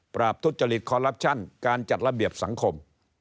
บททุจริตคอลลับชั่นการจัดระเบียบสังคม